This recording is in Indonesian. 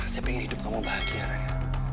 saya ingin hidup kamu bahagia raya